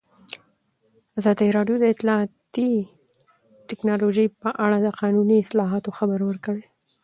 ازادي راډیو د اطلاعاتی تکنالوژي په اړه د قانوني اصلاحاتو خبر ورکړی.